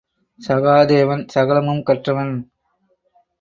சகாதேவன் சகலமும் கற்றவன்.